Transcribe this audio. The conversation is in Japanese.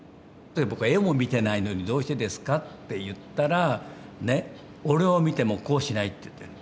僕は「絵も見てないのにどうしてですか？」って言ったら「俺を見てもこうしない」って言って。